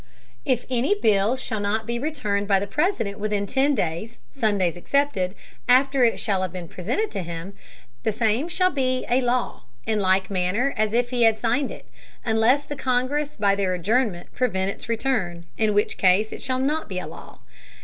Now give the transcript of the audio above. If any Bill shall not be returned by the President within ten Days (Sundays excepted) after it shall have been presented to him, the same shall be a Law, in like Manner as if he had signed it, unless the Congress by their Adjournment prevent its Return, in which Case it shall not be a Law.